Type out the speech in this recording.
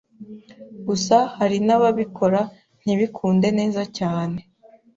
gusa hari n’ababikora ntibikunde neza cyane